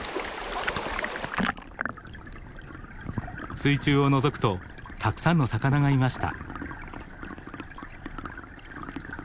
水中をのぞくとたくさんの魚がいました。